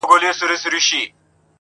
اتفاق ته غرونه څه دي؟